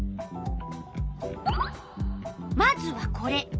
まずはこれ。